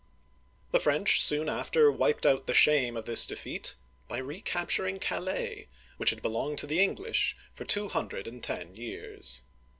The French soon after wiped out the shame of this de feat by recapturing Calais, which had belonged to the English for two hundred and ten years.